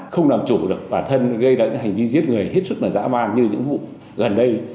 không làm chủ được bản thân gây ra những hành vi giết người hết sức là dã man như những vụ gần đây